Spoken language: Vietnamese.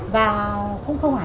và cũng không hẳn